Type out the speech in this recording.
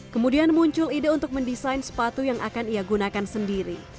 kemudian muncul ide untuk mendesain sepatu yang akan ia gunakan sendiri